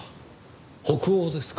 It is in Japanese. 北欧ですか。